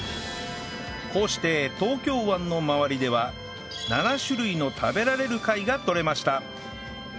こうして東京湾の周りでは７種類の食べられる貝が採れました